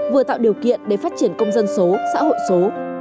vừa tạo điều kiện để phát triển công dân số xã hội số